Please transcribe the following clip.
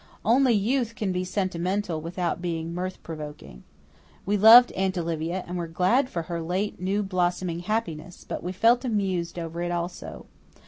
Only youth can be sentimental without being mirth provoking. We loved Aunt Olivia and were glad for her late, new blossoming happiness; but we felt amused over it also.